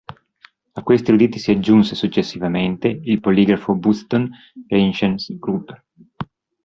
A questi eruditi si aggiunse, successivamente, il poligrafo Bu-ston rin-chen grub.